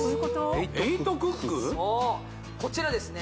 そうこちらですね